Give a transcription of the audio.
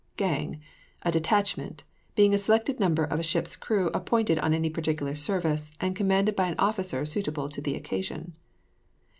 GANG. A detachment; being a selected number of a ship's crew appointed on any particular service, and commanded by an officer suitable to the occasion.